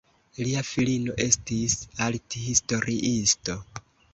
Lia filino estis arthistoriisto.